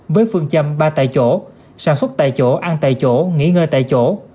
với phương châm ba tại chỗ sản xuất tại chỗ ăn tại chỗ nghỉ ngơi tại chỗ